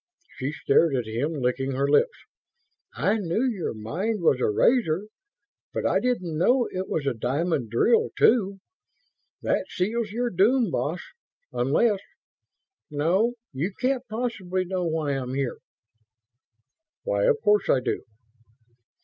She stared at him, licking her lips. "I knew your mind was a razor, but I didn't know it was a diamond drill, too. That seals your doom, boss, unless ... no, you can't possibly know why I'm here." "Why, of course I do."